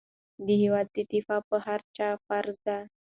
د هېواد دفاع په هر چا فرض ده.